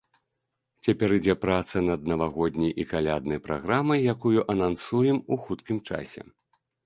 Цяпер ідзе праца над навагодняй і каляднай праграмай, якую анансуем у хуткім часе.